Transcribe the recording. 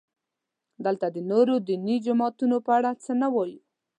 دلته د نورو دیني جماعتونو په اړه څه نه وایو.